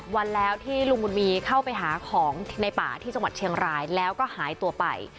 วันแล้วที่ลุงบุญมีเข้าไปหาของในป่าที่จังหวัดเชียงรายแล้วก็หายตัวไป